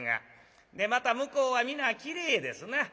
でまた向こうは皆きれいですな。